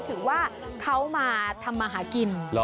ถือว่าเขามาทำมาหากิน